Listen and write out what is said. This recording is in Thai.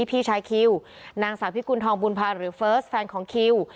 พี่ชายคิวนางสาวพิกุณฑองบุญภาหรือเฟิร์สแฟนของคิว